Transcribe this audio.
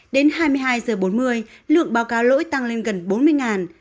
đến hai mươi hai giờ bốn mươi lượng báo cáo lỗi tăng lên gần bốn mươi